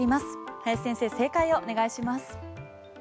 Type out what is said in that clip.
林先生、正解をお願いします。